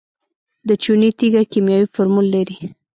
د چونې تیږه کیمیاوي فورمول لري.